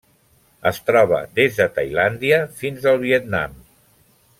Es troba des de Tailàndia fins al Vietnam.